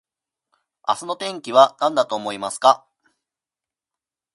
明日の天気はなんだと思いますか